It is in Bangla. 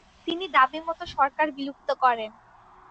তিনি দাবিমত সরকার বিলুপ্ত করেন।